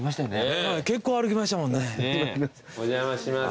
お邪魔します。